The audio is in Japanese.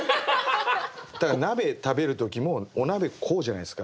だから鍋食べる時もお鍋こうじゃないっすか。